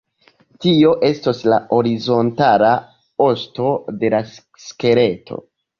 Tio estos la horizontala "osto" de la skeleto.